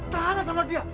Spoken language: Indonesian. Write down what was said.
tahanlah sama dia